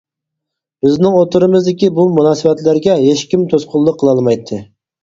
بىزنىڭ ئوتتۇرىمىزدىكى بۇ مۇناسىۋەتلەرگە ھېچكىم توسقۇنلۇق قىلالمايتتى.